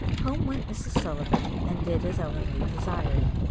Home went Mrs. Sullivan, and did as Ellen Leah desired.